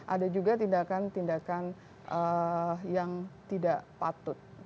ada juga tindakan tindakan yang tidak patut